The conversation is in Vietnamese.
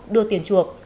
đưa tiền chuộc